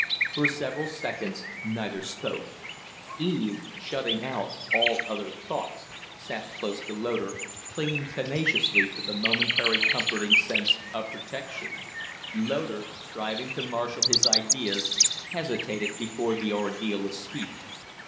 For several seconds neither spoke. Eve, shutting out all other thoughts, sat close to Loder, clinging tenaciously to the momentary comforting sense of protection; Loder, striving to marshal his ideas, hesitated before the ordeal of speech.